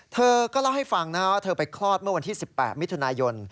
เธอก็เล่าให้ฟังนะว่าเธอไปคลอดเมื่อวันที่๑๘มิถุนายน